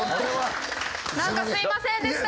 なんかすいませんでした。